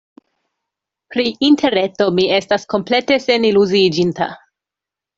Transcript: Pri Interreto mi estas komplete seniluziiĝinta.